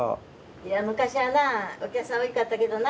いや昔はなあお客さん多いかったけどな。